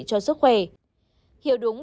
cho sức khỏe hiểu đúng